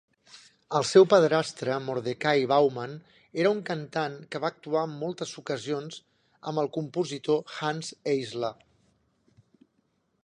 El seu padrastre Mordecai Bauman era un cantant que va actuar en moltes ocasions amb el compositor Hanns Eisler.